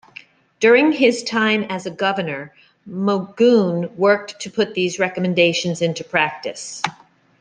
During his time as a governor, Magoon worked to put these recommendations into practice.